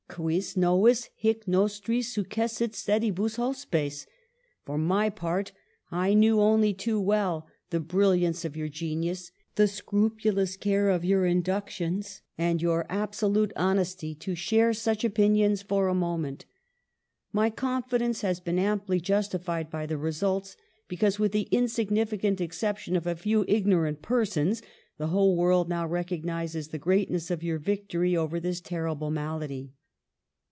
^ ''Quis novus hie nostris successit sedibus hospesf ^Tor my part, I knew only too well the bril liance of your genius, the scrupulous care of your inductions, and your absolute honesty, to share such opinions for a moment. My confi dence has been amply justified by the results, because, with the insignificant exception of a few ignorant persons, the whole world now rec ognises the greatness of your victory over this terrible malady.